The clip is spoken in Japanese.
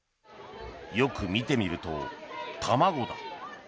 よく見てみると、卵だ。